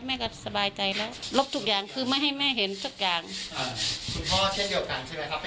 แม่ก็สบายใจแล้วลบทุกอย่างคือไม่ให้แม่เห็นสักอย่างคุณพ่อเช่นเดียวกันใช่ไหมครับ